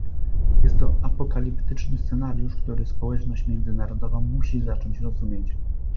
Jest to apokaliptyczny scenariusz, który społeczność międzynarodowa musi zacząć rozumieć